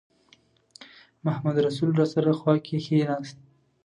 محمدرسول راسره خوا کې کېناست.